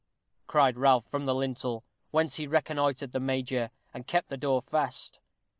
cried Ralph, from the lintel, whence he reconnoitered the major, and kept the door fast.